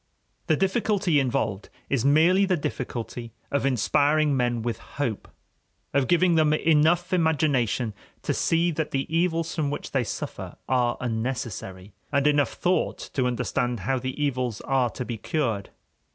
The difficulty involved is merely the difficulty of inspiring men with hope, of giving them enough imagination to see that the evils from which they suffer are unnecessary, and enough thought to understand how the evils are to be cured.